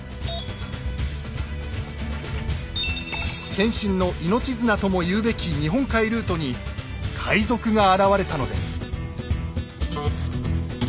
謙信の命綱とも言うべき日本海ルートに海賊が現れたのです。